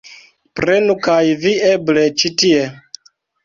Prenu kaj vi eble ĉi tie